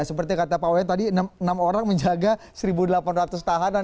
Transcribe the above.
seperti kata pak wayan tadi enam orang menjaga satu delapan ratus tahanan